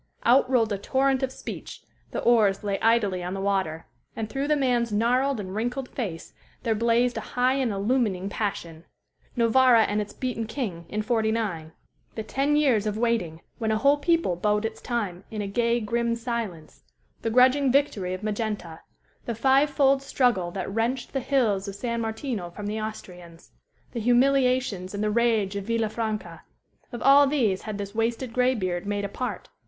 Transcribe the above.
Out rolled a torrent of speech; the oars lay idly on the water; and through the man's gnarled and wrinkled face there blazed a high and illumining passion. Novara and its beaten king, in '49; the ten years of waiting, when a whole people bode its time, in a gay, grim silence; the grudging victory of Magenta; the fivefold struggle that wrenched the hills of San Martino from the Austrians; the humiliations and the rage of Villafranca of all these had this wasted graybeard made a part.